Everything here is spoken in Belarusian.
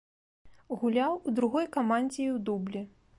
Гуляў у другой камандзе і ў дублі.